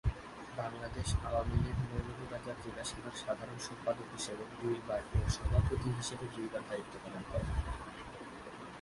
বাংলাদেশ আওয়ামী লীগ মৌলভীবাজার জেলা শাখায় সাধারণ সম্পাদক হিসেবে দুইবার ও সভাপতি হিসেবে দুইবার দায়িত্ব পালন করেন।